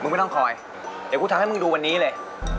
ไม่ต้องคอยเดี๋ยวกูทำให้มึงดูวันนี้เลย